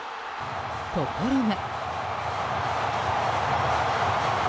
ところが。